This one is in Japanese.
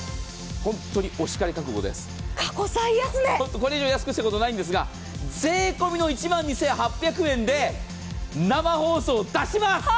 これ以上安くしたことないんですが税込みの１万２８００円で生放送出します。